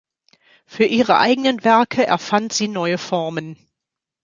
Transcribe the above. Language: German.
Für ihre eigenen Werke erfand sie neue Formen.